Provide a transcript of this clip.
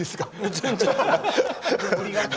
全然。